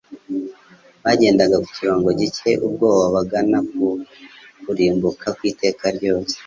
bagendaga ku kirongo gitcye ubwoba bagana ku kurimbuka kw'iteka ryose;